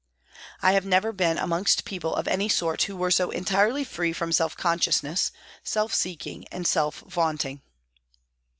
I have never been amongst people of any sort who were so entirely free from self consciousness, self seeking and self vaunting.